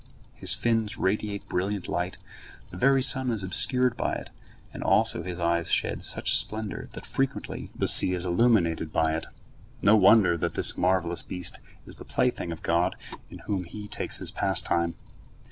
His fins radiate brilliant light, the very sun is obscured by it, and also his eyes shed such splendor that frequently the sea is illuminated suddenly by it. No wonder that this marvellous beast is the plaything of God, in whom He takes His pastime.